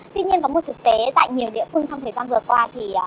tuy nhiên có một thực tế tại nhiều địa phương trong thời gian vừa qua